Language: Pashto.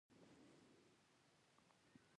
دښمن د ورور په څېره کې پټ وي